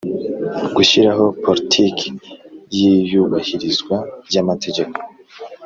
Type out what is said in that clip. Gushyiraho politiki y iyubahirizwa ry amategeko